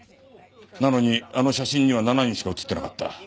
なのにあの写真には７人しか写ってなかった。